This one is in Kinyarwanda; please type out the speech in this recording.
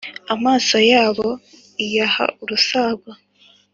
Amaso yabo iyaha urusango